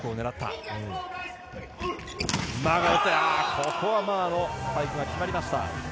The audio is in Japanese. ここはマーのスパイクが決まりました。